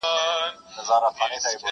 سړې اوږدې شپې به یې سپیني کړلې!.